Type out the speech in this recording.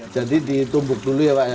jadi ditumbuk dulu ya pak ya